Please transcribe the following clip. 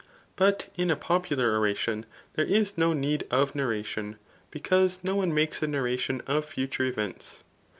But in a popular oration, there is no need of narradon, because no one makes a narration of future events.